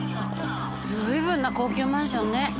随分な高級マンションね。